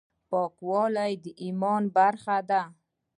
پاکوالی د ایمان برخه ده.